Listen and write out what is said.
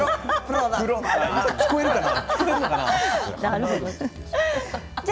聞こえるかな？